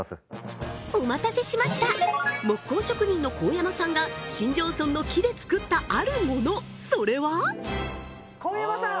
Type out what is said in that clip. お待たせしました木工職人の香山さんが新庄村の木で作ったあるものそれは香山さん